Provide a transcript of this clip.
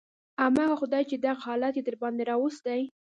همغه خداى چې دغه حالت يې درباندې راوستى.